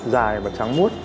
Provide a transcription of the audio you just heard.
dài và trắng mút